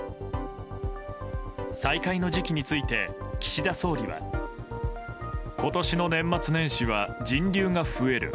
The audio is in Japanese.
再開の時期について岸田総理は今年の年末年始は人流が増える。